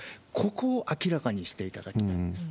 ここを明らかにしていただきたいです。